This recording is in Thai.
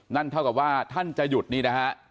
นั่นเท่ากับว่าท่านจะหยุดนี่นะฮะ